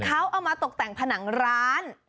เขาเอามาตกแต่งผนังร้าน